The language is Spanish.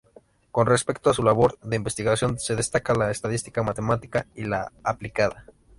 Con respecto a su labor de investigación destaca la estadística matemática y la aplicada.